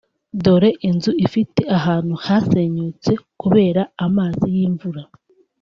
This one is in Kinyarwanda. dore inzu ifite ahantu hasenyutse kubera amazi y’imvura